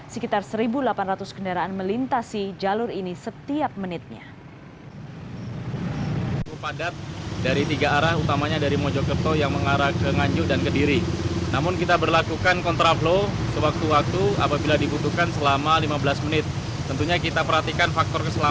sekitar satu delapan ratus kendaraan melintasi jalur ini setiap menitnya